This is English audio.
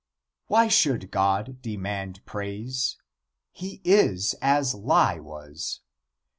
Why should God demand praise? He is as lie was.